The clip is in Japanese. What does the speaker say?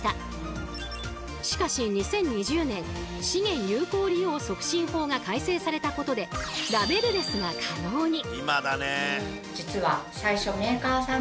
しかし２０２０年資源有効利用促進法が改正されたことでラベルレスが可能に。